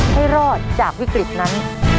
ให้รอดจากวิกฤตนั้น